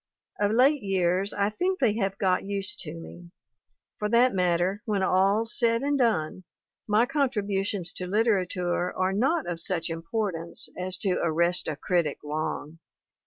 Of late years, I think they have got used to me; for that matter, when all's said and done, my contributions to literature are not of such importance as to arrest a critic long.